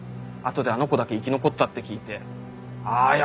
あとであの子だけ生き残ったって聞いてあぁ